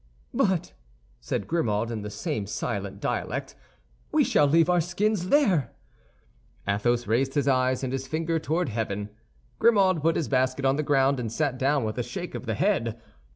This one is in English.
"But," said Grimaud, in the same silent dialect, "we shall leave our skins there." Athos raised his eyes and his finger toward heaven. Grimaud put his basket on the ground and sat down with a shake of the head.